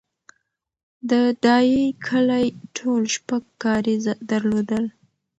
د ډایی کلی ټول شپږ کارېزه درلودل